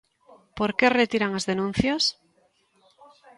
Por que retiran as denuncias?